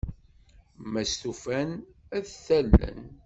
Ma stufan, ad t-allen.